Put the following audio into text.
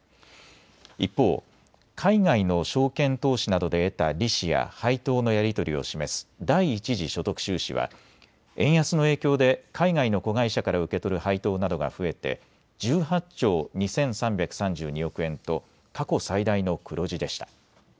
一方、海外の証券投資などで得た利子や配当のやり取りを示す第一次所得収支は円安の影響で海外の子会社から受け取る配当などが増えて１８兆２３３２億円と過去最大の黒字でした。